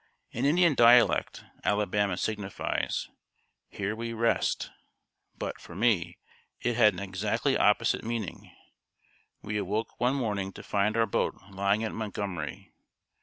In Indian dialect, Alabama signifies, "Here we rest;" but, for me, it had an exactly opposite meaning. We awoke one morning to find our boat lying at Montgomery.